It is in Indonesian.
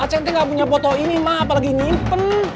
acing tidak punya foto ini mak apalagi nyimpen